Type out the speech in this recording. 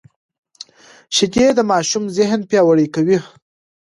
شیدې د ماشوم ذهن پیاوړی کوي